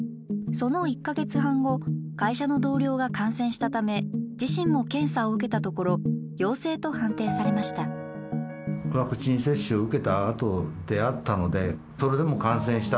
その１か月半後会社の同僚が感染したため自身も検査を受けたところ陽性と判定されました。